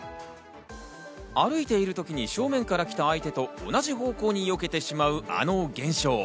歩いているときに正面から来た相手と同じ方向によけてしまうあの現象。